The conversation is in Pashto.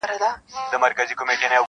o جهاني مي د پښتون غزل اسمان دی,